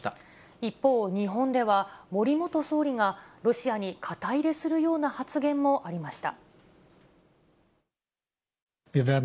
一方、日本では、森元総理がロシアに肩入れするような発言もありました。